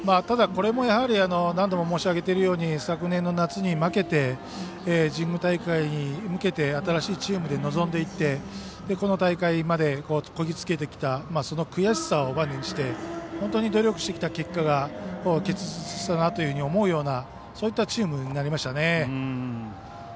ただ、これも何度も申し上げているとおり昨年の夏に負けて、神宮大会に向けて新しいチームで臨んでいってこの大会までこぎつけてきたその悔しさをバネにして本当に努力してきた結果が結実したなというふうに思うようなそういったチームになりましたね。